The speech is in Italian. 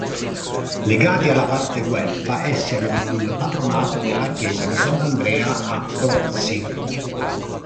Legati alla parte guelfa, essi avevano il patronato della chiesa di Sant'Andrea a Brozzi.